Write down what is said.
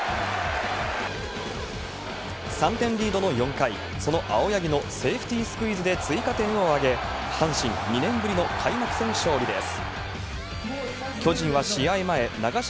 ３点リードの４回、その青柳のセーフティースクイズで追加点を挙げ、阪神、２年ぶりの開幕戦勝利です。